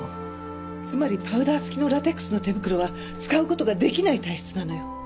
つまりパウダー付きのラテックスの手袋は使う事が出来ない体質なのよ。